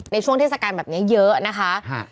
ในช่วงเทศกาลแบบนี้เยอะนะคะ